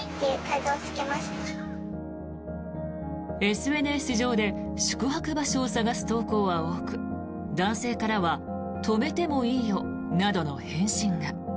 ＳＮＳ上で宿泊場所を探す投稿は多く男性からは泊めてもいいよなどの返信が。